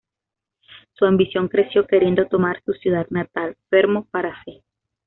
Su ambición creció, queriendo tomar su ciudad natal, Fermo, para sí.